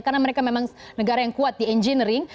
karena mereka memang negara yang kuat di engineering